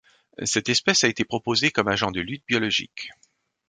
Cette espèce a été proposée comme agent de lutte biologique.